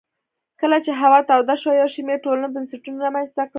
کله چې هوا توده شوه یو شمېر ټولنو بنسټونه رامنځته کړل